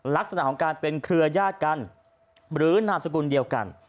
ลักษณะของการเป็นเครือญาติกันหรือนามสกุลเดียวกัน